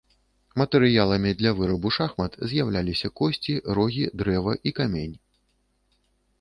Матэрыяламі для вырабу шахмат з'яўляліся косці, рогі, дрэва і камень.